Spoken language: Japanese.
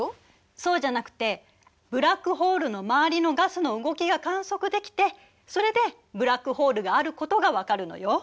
そうじゃなくてブラックホールの周りのガスの動きが観測できてそれでブラックホールがあることがわかるのよ。